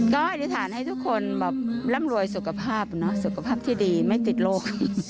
ก็อธิษฐานให้ทุกคนแบบร่ำรวยสุขภาพสุขภาพที่ดีไม่ติดโรค